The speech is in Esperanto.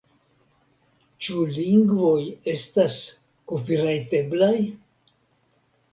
Ĉu lingvoj estas kopirajteblaj